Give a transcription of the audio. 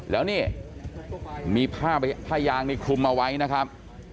แล้วนี่มีผ้ายางในคลุมเอาไว้นะครับ